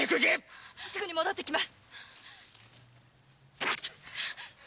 すぐに戻って来ます！